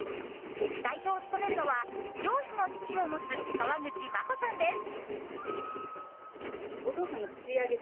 代表を務めるのは漁師の父を持つ川口真穂さんです。